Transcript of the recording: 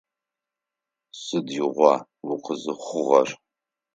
Сыдигъуа укъызыхъугъэр?